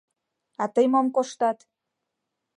А тый мом коштат?